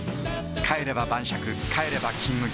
帰れば晩酌帰れば「金麦」